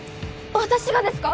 私がですか！？